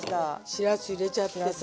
しらす入れちゃってさ。